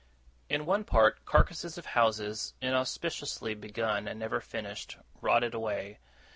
In one part, carcases of houses, inauspiciously begun and never finished, rotted away.